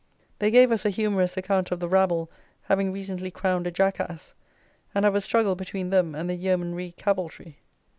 They gave us a humorous account of the "rabble" having recently crowned a Jackass, and of a struggle between them and the "Yeomanry Cavaltry."